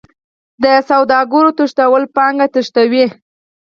د سوداګرو تښتول پانګه تښتوي.